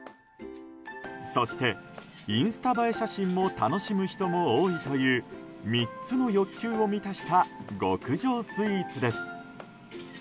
そして、インスタ映え写真を楽しむ人も多いという３つの欲求を満たした極上スイーツです。